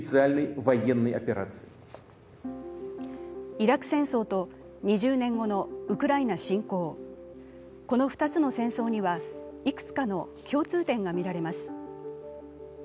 イラク戦争と２０年後のウクライナ侵攻、この２つの戦争にはいくつかの共通点がみられます。